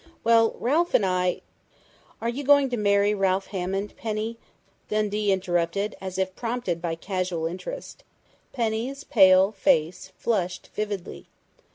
Well, Ralph and I " "Are you going to marry Ralph Hammond, Penny?" Dundee interrupted, as if prompted by casual interest. Penny's pale face flushed vividly.